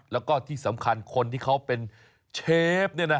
แล้วก็ที่สำคัญคนที่เขาเป็นเชฟ